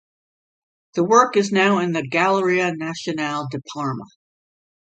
The work is now in the Galleria nazionale di Parma.